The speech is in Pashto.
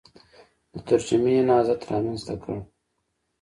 د ترجمې نهضت رامنځته کړ